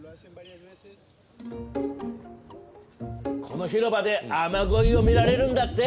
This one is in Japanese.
この広場で雨乞いを見られるんだって。